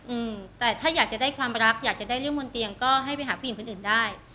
อืมแต่ถ้าอยากจะได้ความรักอยากจะได้เรื่องบนเตียงก็ให้ไปหาผู้หญิงคนอื่นได้